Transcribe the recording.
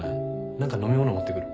何か飲み物持ってくる。